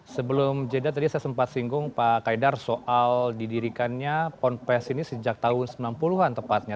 sebelum jeda tadi saya sempat singgung pak kaidar soal didirikannya ponpes ini sejak tahun sembilan puluh an tepatnya